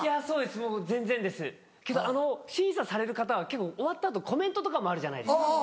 そうです僕全然ですけど審査される方は結構終わった後コメントとかもあるじゃないですか。